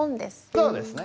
そうですね。